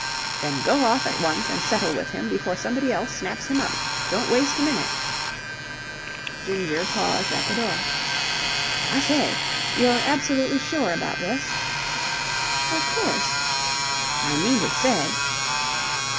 "Then go off at once and settle with him before somebody else snaps him up. Don't waste a minute." Ginger paused at the door. "I say, you're absolutely sure about this?" "Of course." "I mean to say..."